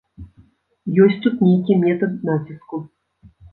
Ёсць тут нейкі метад націску.